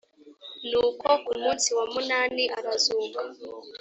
nuko ku munsi wa munani arazuka